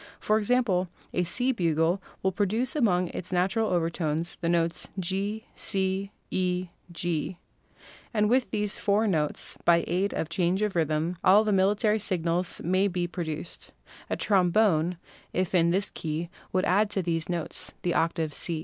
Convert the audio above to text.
For example, a C bugle will produce among its natural overtones the notes G, C, E', G', and with these four notes, by aid of change of rhythm, all the military signals may be pro SOUND 135 duced. A trombone, if in this key, would add to these notes the octave C.